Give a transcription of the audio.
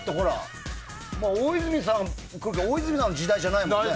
大泉さんの時代じゃないもんね。